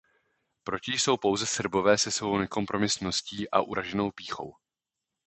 Proti jsou pouze Srbové se svou nekompromisností a uraženou pýchou.